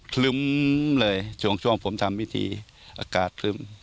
คลึ้มเลยช่วงผมทำพิธีอากาศคลึ้ม